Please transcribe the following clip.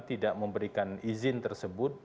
tidak memberikan izin tersebut